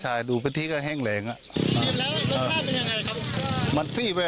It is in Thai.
ไซส์นิดอะไรอย่างนี้